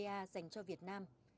dành cho việt nam